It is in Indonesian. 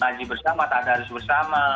laji bersama tanda arus bersama